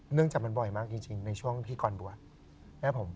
เนื่องจากมันบ่อยมากจริงในช่วงที่ก่อนบวช